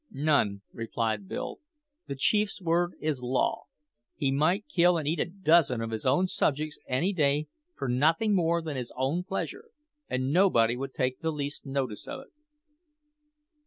"None," replied Bill. "The chief's word is law. He might kill and eat a dozen of his own subjects any day for nothing more than his own pleasure, and nobody would take the least notice of it."